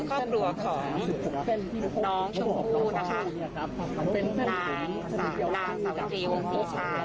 ครอบครัวของน้องชุมภูตนะคะในสถานที่ดาวสวทีวงศ์สีชา